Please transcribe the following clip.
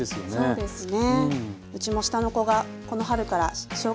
そうですね。